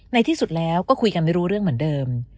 ในที่สุดแล้วก็คุยกันไม่รู้เรื่องเหมือนเดิม